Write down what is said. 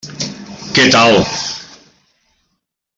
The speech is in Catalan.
Què tal?